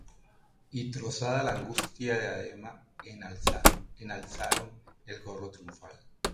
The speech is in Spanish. Y trozada la augusta diadema, Enalzaron el gorro triunfal!